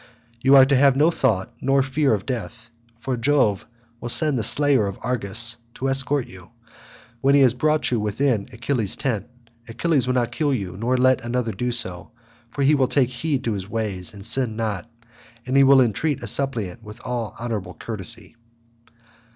You are to have no thought, nor fear of death, for Jove will send the slayer of Argus to escort you. When he has brought you within Achilles' tent, Achilles will not kill you nor let another do so, for he will take heed to his ways and sin not, and he will entreat a suppliant with all honourable courtesy."